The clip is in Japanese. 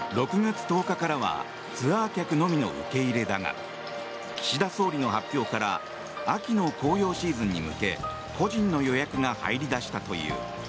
６月１０日からはツアー客のみの受け入れだが岸田総理の発表から秋の紅葉シーズンに向け個人の予約が入り出したという。